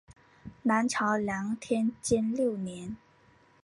南朝梁天监六年。